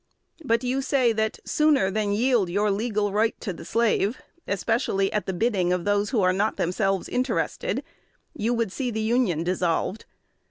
But you say, that, sooner than yield your legal right to the slave, especially at the bidding of those who are not themselves interested, you would see the Union dissolved.